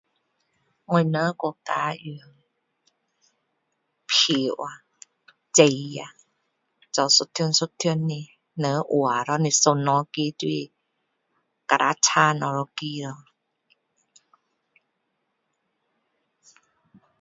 我们国家用票吖纸呀做一张一张的人画了你选哪一个就是打叉哪一个咯